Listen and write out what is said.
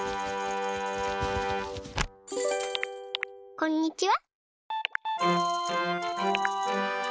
こんにちは。